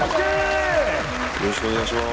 よろしくお願いします。